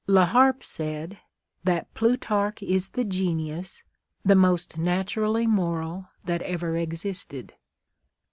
La Harpe said " that Plutarch is the genius the most naturally moral that ever existed."